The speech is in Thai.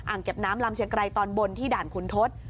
เก็บน้ำลำเชียงไกรตอนบนที่ด่านขุนทศ